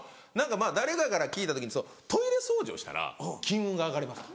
誰かから聞いた時にトイレ掃除をしたら金運が上がりますと。